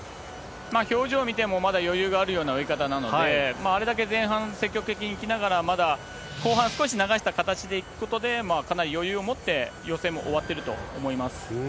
表情見ても、まだ余裕がある泳ぎ方なので、あれだけ、前半積極的にいきながら、まだ後半少し流した形でいくことで、かなり余裕を持って、予選も終わってると思います。